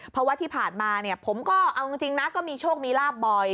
เพราะว่าที่ผ่านมาเนี่ยผมก็เอาจริงนะก็มีโชคมีลาบบ่อย